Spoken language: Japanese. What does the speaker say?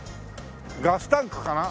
ガスタンクかな？